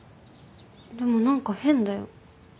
でも何か変だよ。